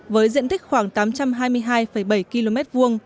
với diện tích khoảng tám trăm hai mươi hai bảy km hai